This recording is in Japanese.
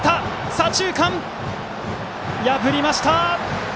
左中間を破りました！